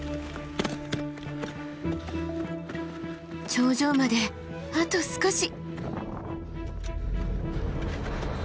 頂上まであと少し。